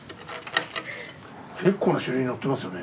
結構な種類のってますよね。